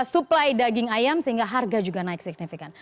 suplai daging ayam sehingga harga juga naik signifikan